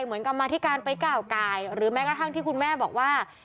กรรมาธิการไปก้าวกายหรือแม้กระทั่งที่คุณแม่บอกว่า